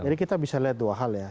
jadi kita bisa lihat dua hal ya